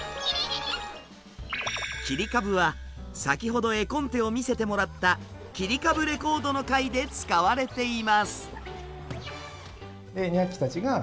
切り株は先ほど絵コンテを見せてもらった「きりかぶレコード」の回で使われています。